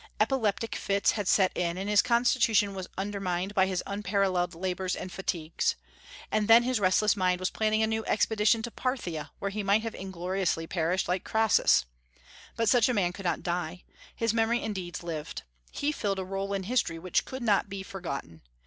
Epileptic fits had set in, and his constitution was undermined by his unparalleled labors and fatigues; and then his restless mind was planning a new expedition to Parthia, where he might have ingloriously perished like Crassus. But such a man could not die. His memory and deeds lived. He filled a role in history, which could not be forgotten.